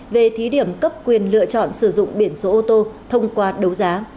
về thí điểm cấp quyền lựa chọn sử dụng biển số ô tô thông qua đấu giá